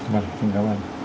vâng xin cảm ơn